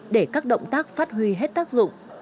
để các động tác phát huy hết tác dụng